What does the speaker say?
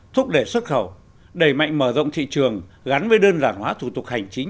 thúc đẩy xuất khẩu đẩy mạnh mở rộng thị trường gắn với đơn giản hóa thủ tục hành chính